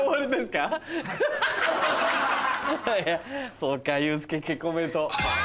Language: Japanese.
そうかユースケ結婚おめでとう。